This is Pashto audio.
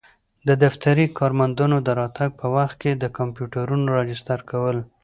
د دفتري کارمندانو د راتګ په وخت کي د کمپیوټرونو راجستر کول.